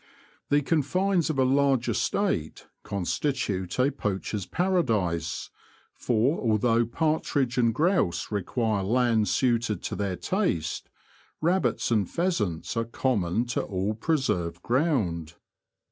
The confines of a large estate constitute a poacher's paradise, for although partridge and grouse require land suited to their taste, rabbits and pheasants are common to all preserved ground.